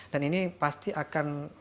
dan ini pasti akan